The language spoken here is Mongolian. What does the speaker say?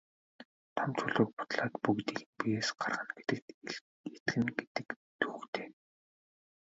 Том чулууг бутлаад бүгдийг нь биеэс гаргана гэдэгт итгэнэ гэдэг төвөгтэй.